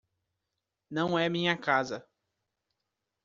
Não é minha casa.